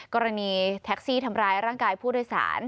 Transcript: กรณีแท็กซี่ทำร้ายร่างกายผู้โดยสาร